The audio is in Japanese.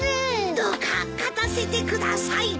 どうか勝たせてください。